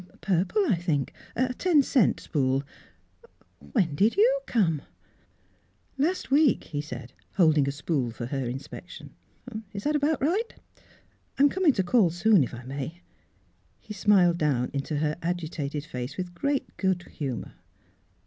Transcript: " Purple, I think, a ten cent spool. When did you — come ?"" Last week," he said, holding a spool for her inspection. " Is that about right? I'm coming to call soon, if I may." He smiled down into her agitated face with great good humour.